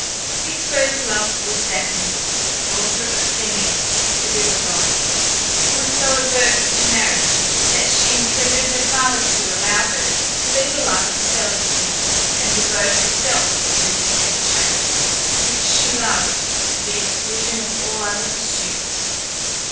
His first love was Daphne (daughter of Peneus, the river god), who was so averse to marriage that she entreated her father to allow her to lead a life of celibacy, and devote herself to the chase, which she loved to the exclusion of all other pursuits.